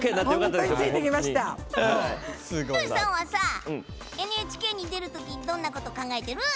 有吉さんはＮＨＫに出るとき、どんなこと考えてる？